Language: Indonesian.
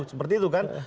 seperti itu kan